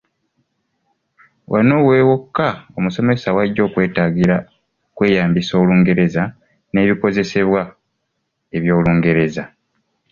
Wano we wokka omusomesa w'ajja okwetaagira okweyambisa Olungereza n’ebikozesebwa eby’Olungereza.